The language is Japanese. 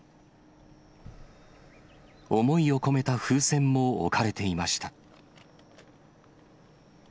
思いを込めた風船も置かれていました。